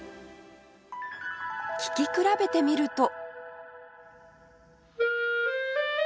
聴き比べてみると